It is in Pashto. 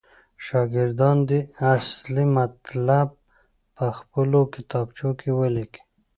شاګردان دې اصلي مطلب پخپلو کتابچو کې ولیکي.